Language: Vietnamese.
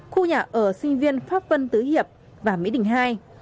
khu nhà ở sinh viên pháp vân tứ hiệp và mỹ đình ii